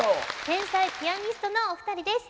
天才ピアニストのお二人です。